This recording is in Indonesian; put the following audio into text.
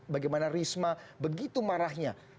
bagaimana risma begitu marahnya